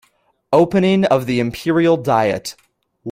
Opening of the Imperial diet.